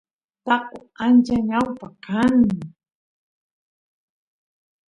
taqo ancha ñawpa kan